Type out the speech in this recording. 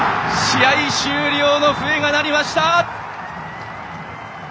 試合終了の笛が鳴りました！